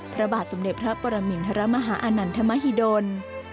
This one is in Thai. พระบาทสมเด็จพระปรมินทรมาฮาอนันทมหิดล